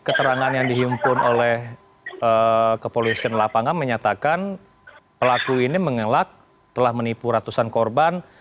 keterangan yang dihimpun oleh kepolisian lapangan menyatakan pelaku ini mengelak telah menipu ratusan korban